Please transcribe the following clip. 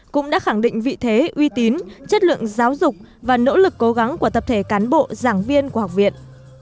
cũng đã khẳng định vị thế uy tín chất lượng giáo dục và nỗ lực cố gắng của tập thể cán bộ giảng viên của học viện